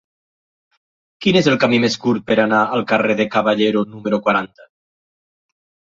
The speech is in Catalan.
Quin és el camí més curt per anar al carrer de Caballero número quaranta?